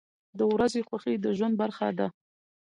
• د ورځې خوښي د ژوند برخه ده.